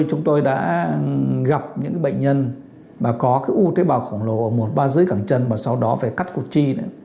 chúng tôi đã gặp những cái bệnh nhân mà có cái u thế bào khổng lồ ở một ba dưới cẳng chân và sau đó phải cắt cuộc chi